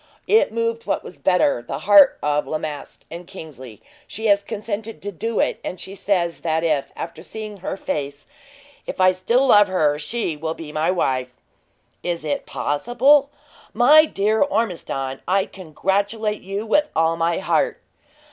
It moved what was better the heart of La Masque; and, Kingsley, she has consented to do it; and she says that if, after seeing her face, I still love her, she will be my wife." "Is it possible? My dear Ormiston, I congratulate you with all my heart!"